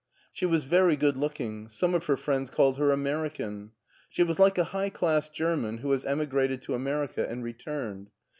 She was very good looking; some of her friends called her American. She was like a high class German who has emigrated to America and returned.